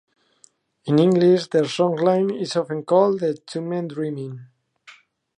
In English, their songline is often called the "Two Men Dreaming".